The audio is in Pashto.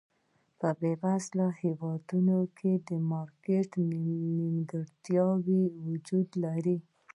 په بېوزلو هېوادونو کې د مارکېټ نیمګړتیاوې وجود لري.